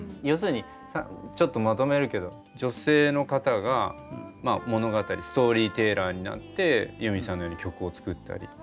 要するにちょっとまとめるけど女性の方が物語ストーリーテラーになってユーミンさんのように曲を作ったり。